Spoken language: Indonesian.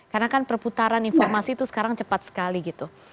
karena kan perputaran informasi itu sekarang cepat sekali gitu